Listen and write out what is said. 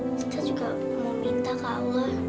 kita juga mau minta ke allah